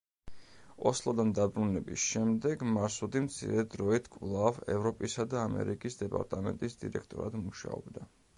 ოსლოდან დაბრუნების შემდეგ მარსუდი მცირე დროით კვლავ ევროპისა და ამერიკის დეპარტამენტის დირექტორად მუშაობდა.